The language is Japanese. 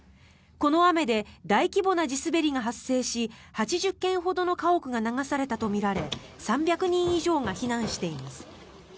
この雨で大規模な地滑りが発生し８０軒ほどの家屋が流されたとみられ３００人以上が避難しています。